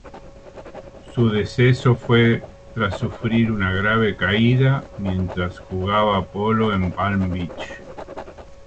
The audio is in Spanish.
Su deceso fue tras sufrir una grave caída, mientras jugaba polo en Palm Beach.